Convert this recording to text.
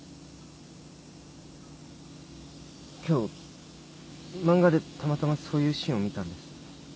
今日漫画でたまたまそういうシーンを見たんです。